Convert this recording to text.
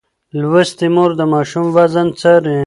لوستې مور د ماشوم وزن څاري.